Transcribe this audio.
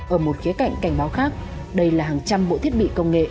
ở một khía cạnh cảnh báo khác đây là hàng trăm bộ thiết bị công nghệ